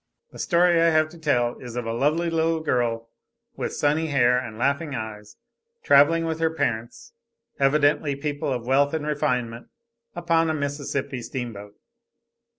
The story I have to tell is of a lovely little girl, with sunny hair and laughing eyes, traveling with her parents, evidently people of wealth and refinement, upon a Mississippi steamboat.